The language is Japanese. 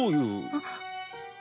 あっ。